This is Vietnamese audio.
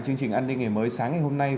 chương trình an ninh ngày mới sáng ngày hôm nay